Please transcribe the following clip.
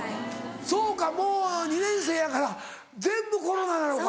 そうかもう２年生やから全部コロナなのか。